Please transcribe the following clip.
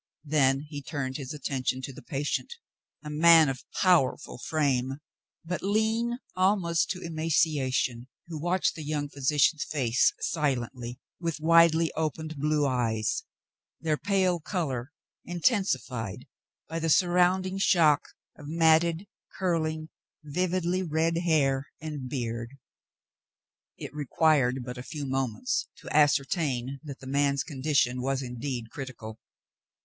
Then he turned his attention to the patient, a man of powerful frame, but lean almost to emaciation, who w^atched the young physician's face silently with widely opened blue eyes, their pale color intensified by the sur rounding shock of matted, curling, vividly red hair and beard. It required but a few moments to ascertain that the man's condition was indeed critical.